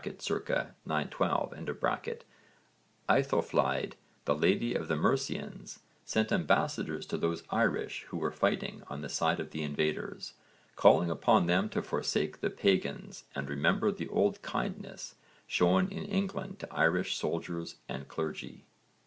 912), Aethelflæd, the lady of the Mercians, sent ambassadors to those Irish who were fighting on the side of the invaders, calling upon them to forsake the pagans and remember the old kindness shown in England to Irish soldiers and clergy.